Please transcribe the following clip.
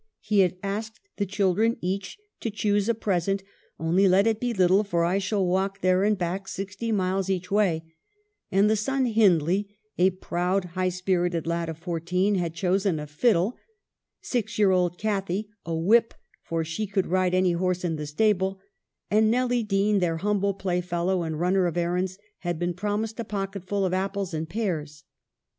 He had asked the children each to choose a present, "only let it be little, for I shall walk there and back, sixty miles each way :" and the son Hindley, a proud, high spirited lad of fourteen, had chosen a 'fiddle; six year old Cathy, a whip, for she could ride any horse in the stable ; and Nelly Dean, their humble playfellow and runner of errands, had been promised a pocketful of apples and pears.